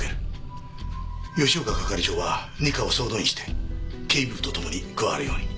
吉岡係長は二課を総動員して警備部とともに加わるように。